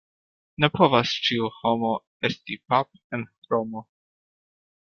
Ne povas ĉiu homo esti pap' en Romo.